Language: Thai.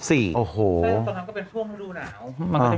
ซึ่งตอนนั้นก็เป็นช่วงฤดูหนาว